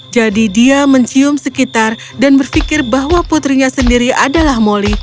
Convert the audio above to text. jadi dia mencium sekitar dan berfikir bahwa putrinya sendiri adalah moli